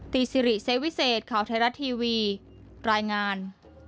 สิริเซวิเศษข่าวไทยรัฐทีวีรายงาน